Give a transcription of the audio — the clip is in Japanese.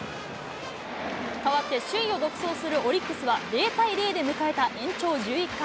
変わって首位を独走するオリックスは０対０で迎えた延長１１回。